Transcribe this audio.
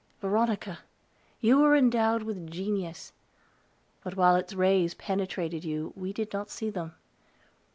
Veronica! you were endowed with genius; but while its rays penetrated you, we did not see them.